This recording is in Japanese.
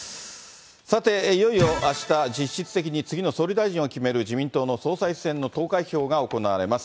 さて、いよいよあした、実質的に次の総理大臣を決める自民党の総裁選の投開票が行われます。